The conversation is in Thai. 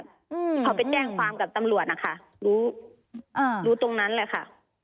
เขาไปแจ้งความกับตำรวจนะคะรู้ตรงนั้นแหละค่ะ